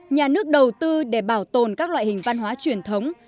nhà nước đầu tư để bảo tồn các loại hình văn hóa truyền thống